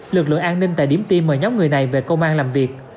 lực lượng an ninh tại điểm tin mời nhóm người này về công an làm việc